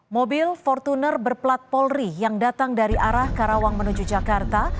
mobil fortuner berplat polri yang datang dari arah karawang menuju jakarta